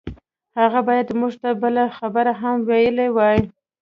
هغه بايد موږ ته بله خبره هم ويلي وای.